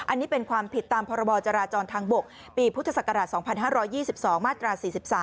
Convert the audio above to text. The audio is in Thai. อันนี้เป็นความผิดตามพรบจราจรทางบกปีพุทธศักราช๒๕๒๒มาตรา๔๓